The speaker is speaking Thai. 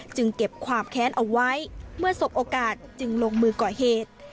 เก็บความแค้นเอาไว้เมื่อสบโอกาสจึงลงมือก่อเหตุ